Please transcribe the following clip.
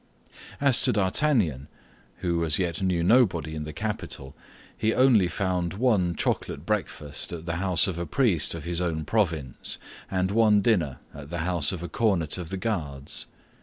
As to D'Artagnan, who as yet knew nobody in the capital, he only found one chocolate breakfast at the house of a priest of his own province, and one dinner at the house of a cornet of the Guards.